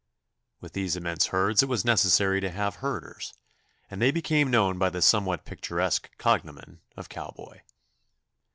With these immense herds it was necessary to have herders, and they became known by the somewhat picturesque cognomen of cowboy.